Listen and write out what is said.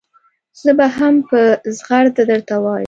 زه به هم په زغرده درته ووایم.